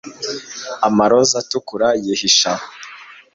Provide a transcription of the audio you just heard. Amaroza atukura yihishe aho